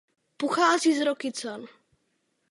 Pochází z Rokycan.